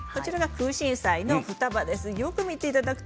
クウシンサイの双葉です。